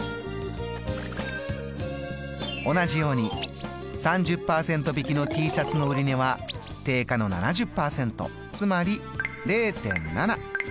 同じように３０％引きのＴシャツの売値は定価の７０％つまり０．７。